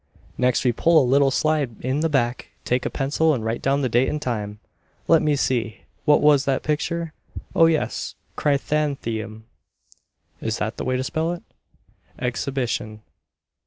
Next we pull a little slide in the back, take a pencil and write down the date and name. Let me see, what was that picture? Oh, yes, "Chrysanthemum (is that the way to spell it?) exhibition."